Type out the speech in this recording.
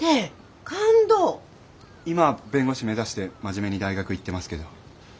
今は弁護士目指して真面目に大学行ってますけど。